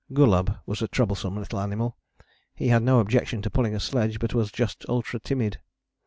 Gulab was a troublesome little animal: he had no objection to pulling a sledge, but was just ultra timid.